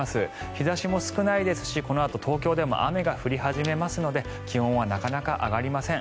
日差しも少ないですしこのあと東京でも雨が降り始めますので気温はなかなか上がりません。